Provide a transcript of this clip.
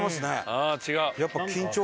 ああ違う。